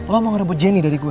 lo mau ngerebut jenny dari gue